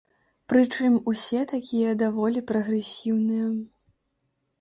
Прычым усе такія даволі прагрэсіўныя.